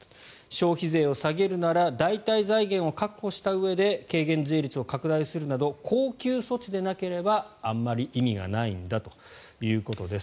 消費税を下げるなら代替財源を確保したうえで軽減税率を拡大するなど恒久措置でなければあまり意味がないんだということです。